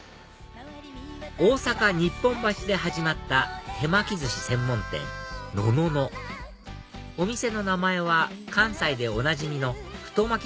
大阪・日本橋で始まった手巻き寿司専門店のののお店の名前は関西でおなじみの太巻き